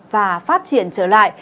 và phát triển trở lại